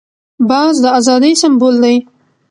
باز د آزادۍ سمبول دی